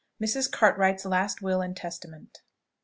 MRS. CARTWRIGHT'S LAST WILL AND TESTAMENT.